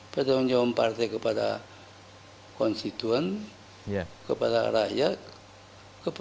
pertanggung jawab partai kepada konstituen kepada rakyat